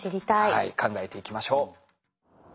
はい考えていきましょう。